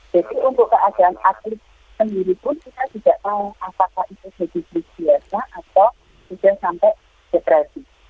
jadi untuk keadaan atlet sendiri pun kita tidak tahu apakah itu individu biasa atau tidak sampai depresi